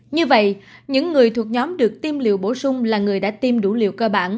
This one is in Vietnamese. như vậy những người thuộc nhóm được tiêm liều bổ sung là người đã tiêm đủ liều cơ bản